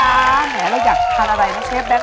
แนวเราอยากธรรมบินนานเชฟแบ้งก์